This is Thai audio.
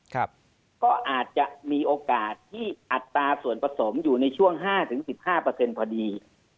ก็อาจจะมีโอกาสที่อัตราส่วนผสมอยู่ในช่วง๕๑๕พอดี